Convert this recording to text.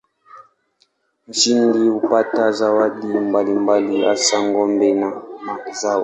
Mshindi hupata zawadi mbalimbali hasa ng'ombe na mazao.